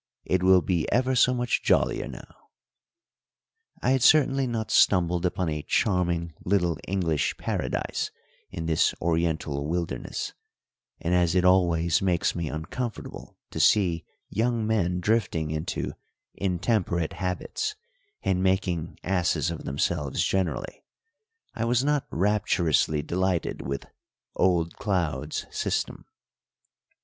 _ It will be ever so much jollier now." I had certainly not stumbled upon a charming little English paradise in this Oriental wilderness, and as it always makes me uncomfortable to see young men drifting into intemperate habits and making asses of themselves generally, I was not rapturously delighted with "old Cloud's" system.